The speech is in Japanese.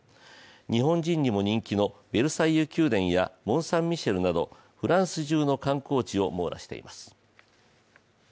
日本人にも人気のベルサイユ宮殿やモンサンミシェルなどフランス中の観光地を網羅しています。